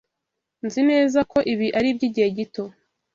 Nzi neza ko ibi ari iby'igihe gito.